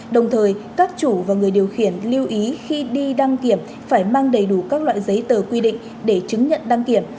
đồng thời các chủ và người điều khiển lưu ý khi đi đăng kiểm phải mang đầy đủ các loại giấy tờ quy định để chứng nhận đăng kiểm